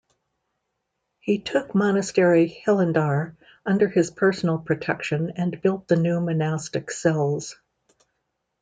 He took monastery Hilandar under his personal protection and built the new monastic cells.